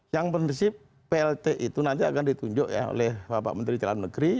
yang prinsip plt itu nanti akan ditunjuk ya oleh bapak menteri dalam negeri